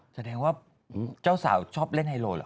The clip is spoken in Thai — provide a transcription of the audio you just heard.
แสดงว่าเจ้าสาวชอบเล่นไฮโลเหรอ